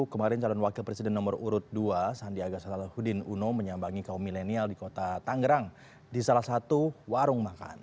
kemarin calon wakil presiden nomor urut dua sandiaga salahudhudin uno menyambangi kaum milenial di kota tangerang di salah satu warung makan